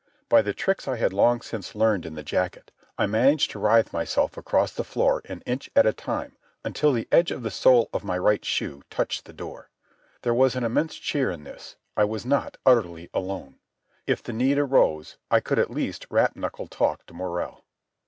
By the tricks I had long since learned in the jacket, I managed to writhe myself across the floor an inch at a time until the edge of the sole of my right shoe touched the door. There was an immense cheer in this. I was not utterly alone. If the need arose, I could at least rap knuckle talk to Morrell.